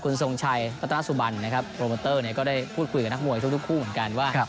คุณทรงชัยรัตนสุบันนะครับโปรโมเตอร์ก็ได้พูดคุยกับนักมวยทุกคู่เหมือนกันว่า